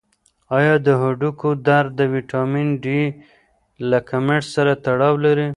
آیا د هډوکو درد د ویټامین ډي له کمښت سره تړاو لري؟